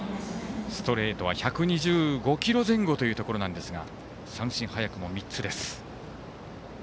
ストレートは１２５キロ前後というところなんですが三振早くも３つです。